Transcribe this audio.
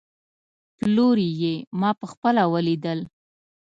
پلوري يې، ما په خپله وليدل